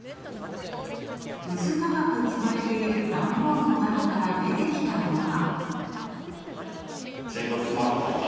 うずたかく積まれている段ボールの中から出てきたのは。